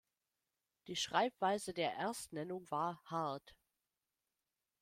Die Schreibweise der Erstnennung war "Hart".